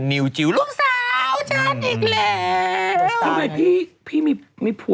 นิวจิ๋วลูกสาวฉันอีกแล้ว